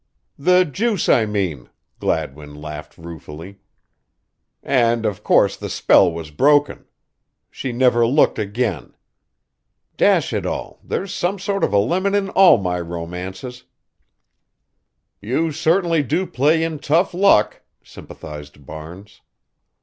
"The juice, I mean," Gladwin laughed ruefully, "and, of course, the spell was broken. She never looked again. Dash it all, there's some sort of a lemon in all my romances!" "You certainly do play in tough luck," sympathized Barnes.